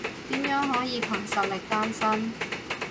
點樣可以憑實力單身？